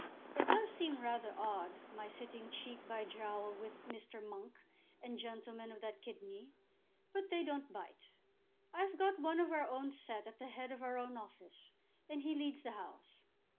It does seem rather odd, my sitting cheek by jowl with Mr. Monk and gentlemen of that kidney; but they don't bite. I've got one of our own set at the head of our own office, and he leads the House.